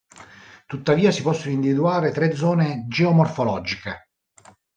Tuttavia si possono individuare tre zone geomorfologiche.